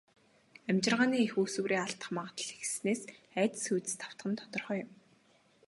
Амьжиргааны эх үүсвэрээ алдах магадлал ихэссэнээс айдас хүйдэст автах нь тодорхой юм.